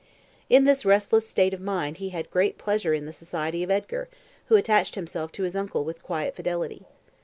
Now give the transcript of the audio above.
In this restless state of his mind he had great pleasure in the society of Edgar, who attached himself to his uncle with quiet fidelity.